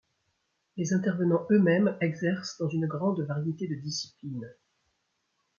Les intervenants eux-mêmes exercent dans une grande variété de disciplines.